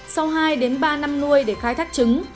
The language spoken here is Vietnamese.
sau hai ba năm nuôi để khai thác trứng